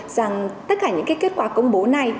rằng tất cả những cái kết quả công bố này